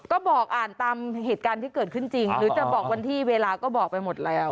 ก็บอกอ่านตามเหตุการณ์ที่เกิดขึ้นจริงหรือจะบอกวันที่เวลาก็บอกไปหมดแล้ว